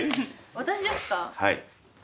私ですか？